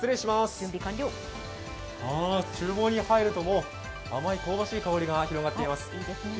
ちゅう房に入ると香ばしい香りが広がっています。